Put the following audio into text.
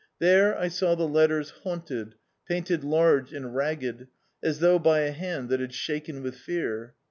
There I saw the letters "Haunted," painted large, and ragged, as thou^ by a hand that had shaken with fear.